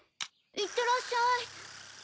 いってらっしゃい。